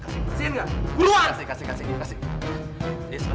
san kita harus kejar san